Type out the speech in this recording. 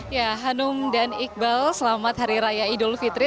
ya hanum dan iqbal selamat hari raya idul fitri